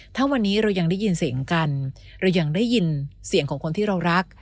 ถ้าวันนี้เรายังได้ยินเสียงกันเรายังได้ยินเสียงของคนที่เรารัก